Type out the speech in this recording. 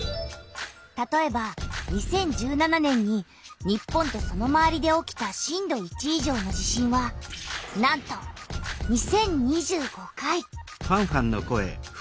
たとえば２０１７年に日本とそのまわりで起きた震度１以上の地震はなんと２０２５回！